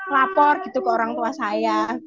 lapor gitu ke orang tua saya